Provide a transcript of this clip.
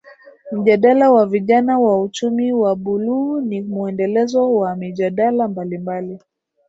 Mjadala wa Vijana na Uchumi wa buluu ni muendelezo wa mijadala mbali mbali